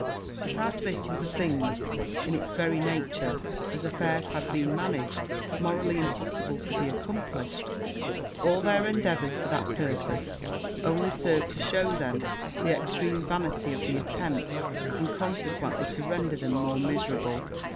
But as this was a thing in it's very nature, as affairs had been managed, morally impossible to be accomplished, all their endeavours to that purpose only served to shew them the extreme vanity of the attempt, and consequently to render them more miserable.